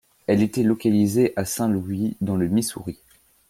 Elle était localisée à Saint-Louis dans le Missouri.